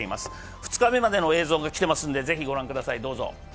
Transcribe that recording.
２日目までの映像が来てますので、ぜひ御覧ください、どうぞ。